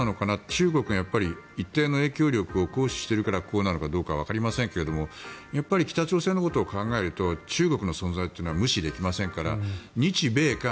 中国が一定の影響力を行使しているからこうなのかどうかわかりませんがやっぱり北朝鮮のことを考えると中国の存在というのは無視できませんから日米韓